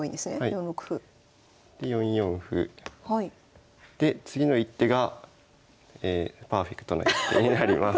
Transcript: ４六歩。で４四歩。で次の一手がパーフェクトな一手になります。